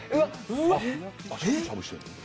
うわっしゃぶしゃぶしてんの？